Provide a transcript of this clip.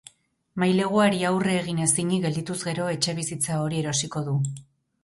Maileguari aurre egin ezinik geldituz gero, etxebizitza hori erosiko du.